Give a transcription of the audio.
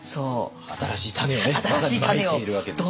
新しい種をまさにまいているわけですね。